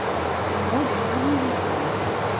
No donar-li la gana.